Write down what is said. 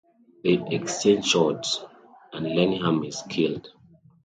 They exchange shots, and Lenihan is killed.